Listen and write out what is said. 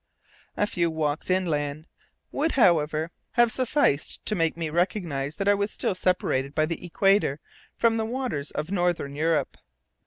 A few walks inland would, however, have sufficed to make me recognize that I was still separated by the equator from the waters of Northern Europe.